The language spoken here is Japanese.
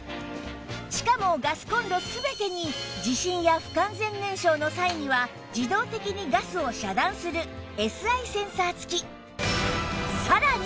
しかもガスコンロ全てに地震や不完全燃焼の際には自動的にガスを遮断する Ｓｉ センサー付き